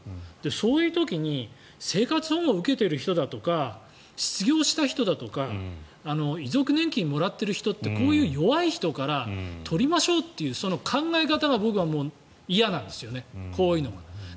そういう時に生活保護を受けている人だとか失業した人だとか遺族年金もらっているようなこういう弱い人から取りましょうというその考え方が僕は嫌なんです。